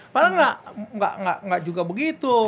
malah gak juga begitu